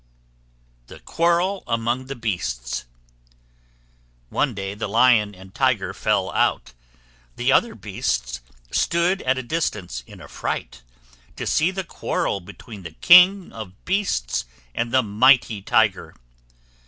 THE QUARREL AMONG THE BEASTS. One day the Lion and Tiger fell out. The other beasts stood at a distance, in affright, to see the quarrel between the king of beasts and the mighty Tiger.